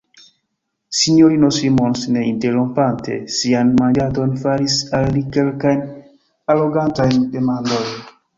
S-ino Simons, ne interrompante sian manĝadon, faris al li kelkajn arogantajn demandojn.